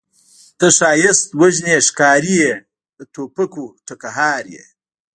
ته ښایست وژنې ښکارې یې د توپکو ټکهار یې